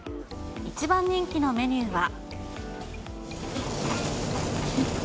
一番人気のメニューは。